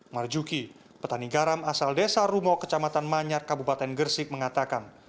marjuki petani garam asal desa rumok kecamatan manyar kabupaten gersik mengatakan